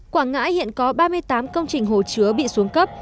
quảng ngãi hiện có ba mươi tám công trình hồ chứa bị xuống cấp